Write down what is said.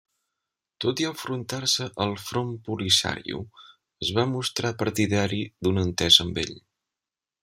Tot i enfrontar-se al Front Polisario, es va mostrar partidari d'una entesa amb ell.